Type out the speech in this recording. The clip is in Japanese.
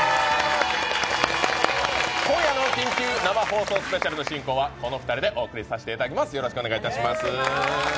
今回の緊急生放送スペシャルの進行はこの２人でさせていただきます。